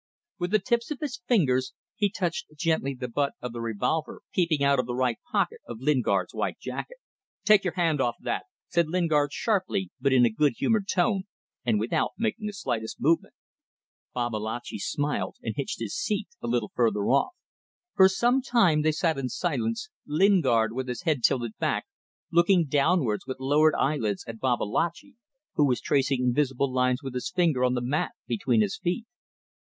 With the tips of his fingers he touched gently the butt of a revolver peeping out of the right pocket of Lingard's white jacket. "Take your hand off that," said Lingard sharply, but in a good humoured tone and without making the slightest movement. Babalatchi smiled and hitched his seat a little further off. For some time they sat in silence. Lingard, with his head tilted back, looked downwards with lowered eyelids at Babalatchi, who was tracing invisible lines with his finger on the mat between his feet.